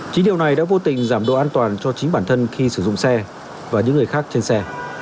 chính điều này đã vô tình giảm độ an toàn cho chính bản thân khi sử dụng xe và những người khác trên xe